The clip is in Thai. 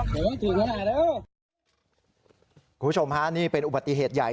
คุณผู้ชมฮะนี่เป็นอุบัติเหตุใหญ่